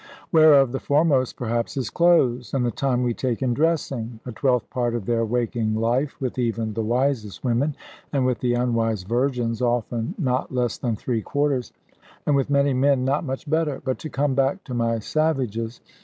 Whereof the foremost perhaps is clothes, and the time we take in dressing a twelfth part of their waking life, with even the wisest women, and with the unwise virgins, often not less than three quarters; and with many men not much better. But to come back to my savages.